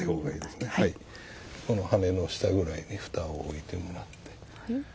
羽根の下ぐらいに蓋を置いてもらって。